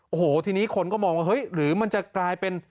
โอ้โหทีนี้คนก็มองว่าเฮ้ยหรือมันจะกลายเป็น